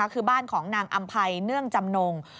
คือบ้านของนางอำภัยเนื่องจำนง